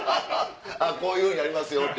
こういうふうにやりますよ！と。